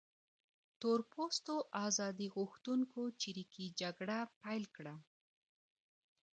تور پوستو ازادي غوښتونکو چریکي جګړه پیل کړه.